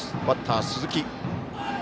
バッター、鈴木。